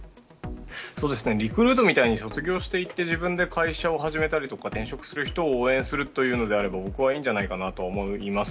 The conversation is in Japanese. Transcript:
リクルートみたいに卒業していって自分で会社を始めたりとか転職する人を応援するというのであれば僕はいいんじゃないのかなと思います。